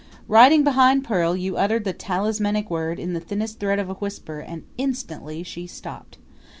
Riding behind Pearl you uttered the talismanic word in the thinnest thread of a whisper and instantly she stopped.